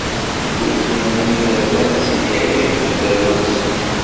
D wigi i d iderman n Sidi Ɛic akked tarwa-nsen.